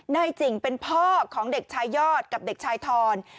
นายจิ่งเป็นพ่อของเด็กชายยอดกับเด็กชายทร